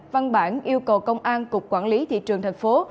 văn bản yêu cầu công an cục quản lý thị trường thành phố